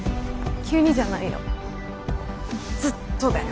急にじゃないよずっとだよ。